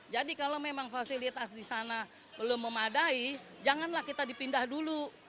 jadi kalau memang fasilitas di sana belum memadai janganlah kita dipindah dulu